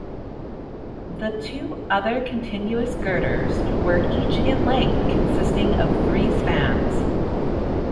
The two other continuous girders were each in length, consisting of three spans.